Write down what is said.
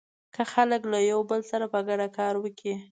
که خلک له يو بل سره په ګډه کار وکړي.